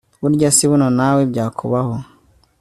burya si buno nawe byakubaho